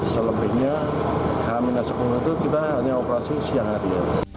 selebihnya h sepuluh itu kita hanya operasi siang hari